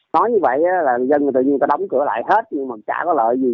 nói như vậy là người dân tự nhiên nó đóng cửa lại hết nhưng mà chả có lợi gì